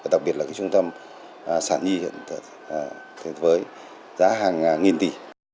đặc biệt là trung tâm sản nhi hiện với giá hàng nghìn tỷ